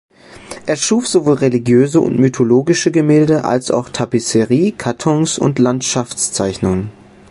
Er schuf sowohl religiöse und mythologische Gemälde als auch Tapisserie-Kartons und Landschaftszeichnungen.